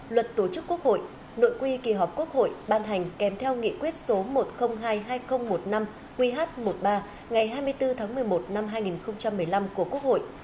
luật tổ chức quốc hội nội quy kỳ họp quốc hội ban hành kèm theo nghị quyết số một trăm linh hai hai nghìn một mươi năm qh một mươi ba ngày hai mươi bốn tháng một mươi một năm hai nghìn một mươi năm của quốc hội